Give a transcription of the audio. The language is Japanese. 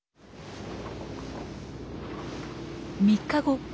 ３日後。